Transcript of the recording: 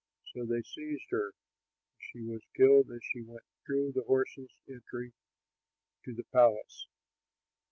So they seized her, and she was killed as she went through the horses' entry to the palace.